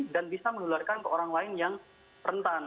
dan bisa menularkan ke orang lain yang rentan